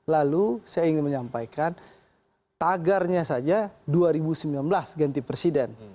lalu saya ingin menyampaikan tagarnya saja dua ribu sembilan belas ganti presiden